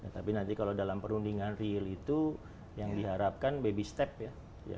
tapi nanti kalau dalam perundingan real itu yang diharapkan baby step ya